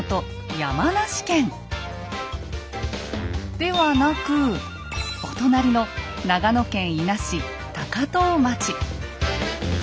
山梨県ではなくお隣の長野県伊那市高遠町。